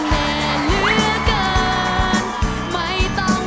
อยากจะได้แอบอิ่ง